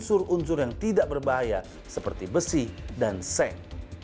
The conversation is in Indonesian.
untuk membuat tubuh yang tidak berbahaya seperti besi dan seng